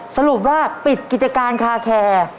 สรุปว่าปิดกิจการคาแคร์